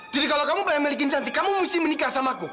jadi kalau kamu pengen memiliki cantik kamu mesti menikah sama aku